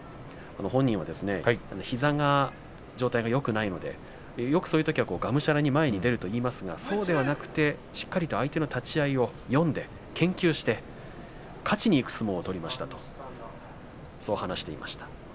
本人は膝の状態がよくないのでそういうときは、がむしゃらに前に出るといいますかそうではなくてしっかりと相手の立ち合いを読んで研究をして勝ちにいく相撲を取りましたと話しています。